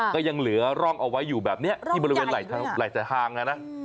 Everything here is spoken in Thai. ก็ยังเหลือร่องเอาไว้อยู่แบบนี้ที่บริเวณหลายสายทางนะนะ